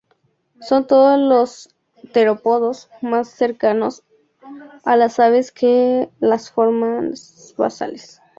Son todos los terópodos más cercanos a las aves que a las formas basales.